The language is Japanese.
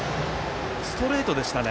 ストレートでしたね。